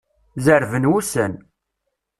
Zerrben wussan.